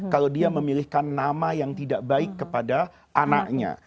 kalau dia memilihkan nama yang tidak baik kepada anaknya